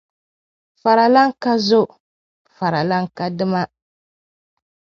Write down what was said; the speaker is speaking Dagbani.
Faralana ka zo, faralana ka dima.